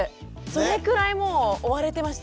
それくらいもう追われてました。